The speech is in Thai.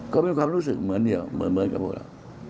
ก็มีความรู้สึกเหมือนเดียวเหมือนกับพวกเรา